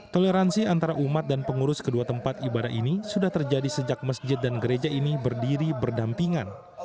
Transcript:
toleransi antara umat dan pengurus kedua tempat ibadah ini sudah terjadi sejak masjid dan gereja ini berdiri berdampingan